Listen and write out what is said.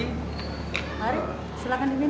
mari silahkan diminum